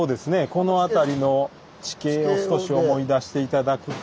この辺りの地形を少し思い出して頂くと？